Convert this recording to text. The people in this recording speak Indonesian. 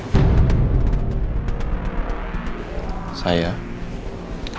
kita mau pergi ke bali